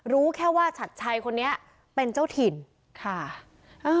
รู้แค่ว่าชัดชัยคนนี้เป็นเจ้าถิ่นค่ะเออ